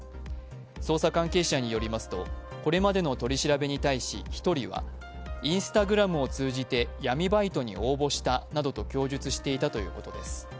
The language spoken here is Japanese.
捜査関係者によりますと、これまでの取り調べに対し１人はＩｎｓｔａｇｒａｍを通じて闇バイトに応募したなどと供述していたということです。